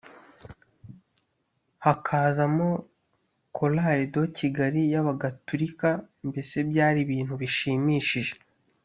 hakazamo Chorale de Kigali y’Abagaturika; mbese byari ibintu bishimishije